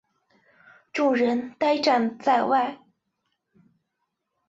众人呆站在外